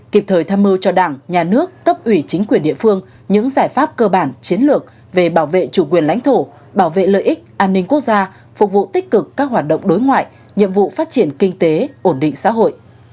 kịp thời tham mưu cho đảng nhà nước cấp ủy chính quyền địa phương những giải pháp cơ bản chiến lược về bảo vệ chủ quyền lãnh thổ bảo vệ lợi ích an ninh quốc gia phục vụ tích cực các hoạt động đối ngoại nhiệm vụ phát triển kinh tế ổn định xã hội